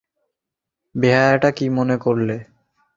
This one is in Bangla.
বেহারাটা কী মনে করলে!